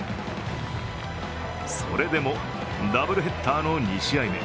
それでもダブルヘッダーの２試合目。